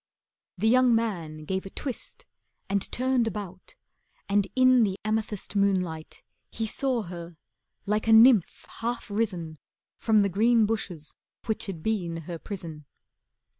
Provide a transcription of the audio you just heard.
The young man gave a twist And turned about, and in the amethyst Moonlight he saw her like a nymph half risen From the green bushes which had been her prison.